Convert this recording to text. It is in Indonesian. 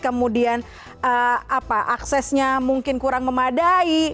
kemudian aksesnya mungkin kurang memadai